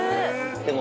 でも。